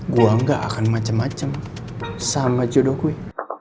gue gak akan macem macem sama jodoh gue